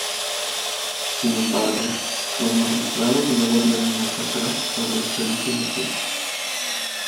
Sin embargo, los magistrados luego dieron marcha atrás sobre este último punto.